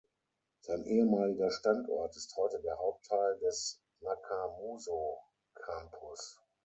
Sein ehemaliger Standort ist heute der Hauptteil des Nakamozu-Campus.